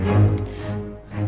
alia gak ada ajak rapat